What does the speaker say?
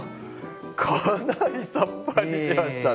かなりさっぱりしましたね。